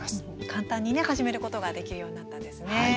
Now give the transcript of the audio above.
簡単に始めることができるようになったんですね。